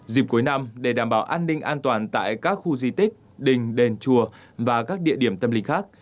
dịp cuối năm để đảm bảo an ninh an toàn tại các khu di tích đình đền chùa và các địa điểm tâm lý khác